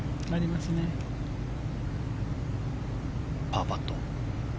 パーパット。